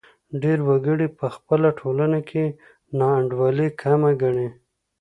ډېر وګړي په خپله ټولنه کې ناانډولي کمه ګڼي.